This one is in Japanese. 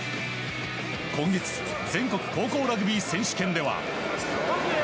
今月全国高校ラグビー選手権では。